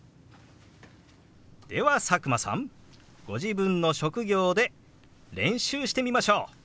では佐久間さんご自分の職業で練習してみましょう！